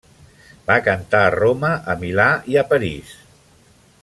Va cantar a Roma, a Milà i a París.